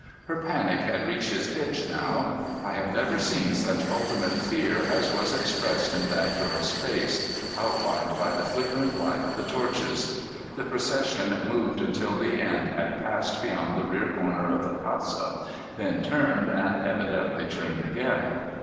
Her panic had reached its pitch now. I have never seen such ultimate fear as was expressed on that girl's face, outlined by the flickering light of the torches. The procession moved until the end had passed beyond the rear corner of the casa, then turned, and evidently turned again.